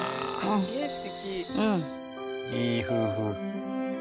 いい夫婦。